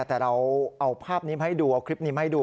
แต่เราเอาภาพนี้มาให้ดูเอาคลิปนี้มาให้ดู